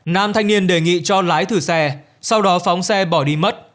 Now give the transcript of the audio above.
nam thanh niên đề nghị cho lái thử xe sau đó phóng xe bỏ đi mất